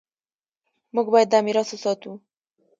موږ باید دا میراث وساتو.